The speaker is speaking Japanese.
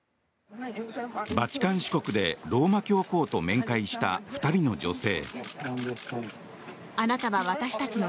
バチカン市国でローマ教皇と面会した２人の女性。